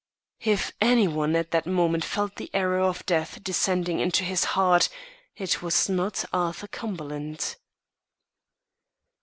If any one at that moment felt the arrow of death descending into his heart, it was not Arthur Cumberland.